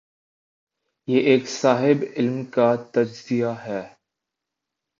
یہ ایک صاحب علم کا تجزیہ ہے۔